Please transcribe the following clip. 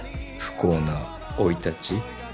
不幸な生い立ち？